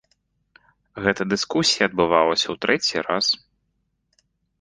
Гэта дыскусія адбывалася ў трэці раз.